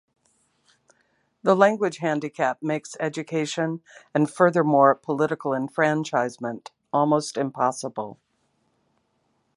The language handicap makes education and furthermore, political enfranchisement almost impossible.